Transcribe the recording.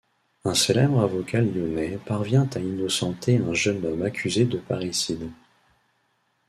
Un célèbre avocat lyonnais parvient à innocenter un jeune homme accusé de parricide.